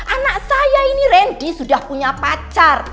anak saya ini randy sudah punya pacar